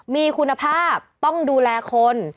มีคุณภาพต้องดูแลคน